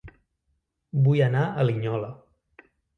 Vull anar a Linyola